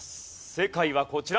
正解はこちら。